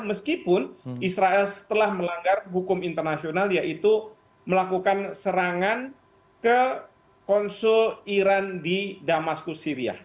meskipun israel telah melanggar hukum internasional yaitu melakukan serangan ke konsul iran di damasku syria